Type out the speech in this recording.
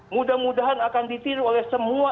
mudah mudahan akan ditiru oleh semua